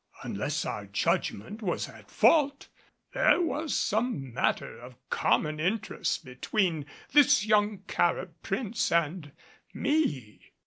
Unless our judgment was at fault there was some matter of common interest between this young Carib prince and me.